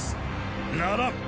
ならん。